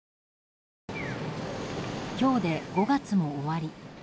今日で５月も終わり。